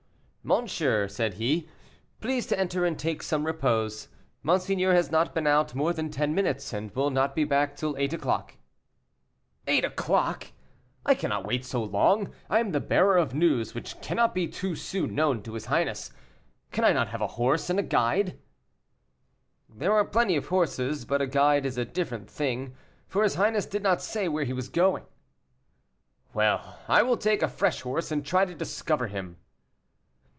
"Monsieur," said he, "please to enter and take some repose. Monseigneur has not been out more than ten minutes, and will not be back till eight o'clock." "Eight o'clock! I cannot wait so long; I am the bearer of news which cannot be too soon known to his highness. Can I not have a horse and a guide?" "There are plenty of horses, but a guide is a different thing, for his highness did not say where he was going." "Well, I will take a fresh horse, and try to discover him."